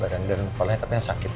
dan kepala katanya sakit